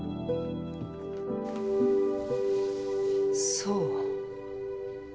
そう。